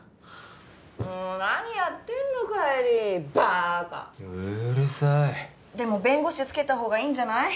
もう何やってんの浬バーカうるさいでも弁護士つけたほうがいいんじゃない？